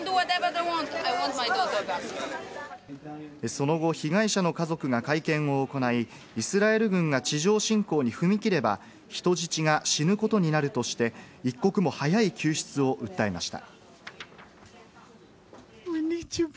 その後、被害者の家族が会見を行い、イスラエル軍が地上侵攻に踏み切れば人質が死ぬことになるとして、一刻も早い救出を訴えました。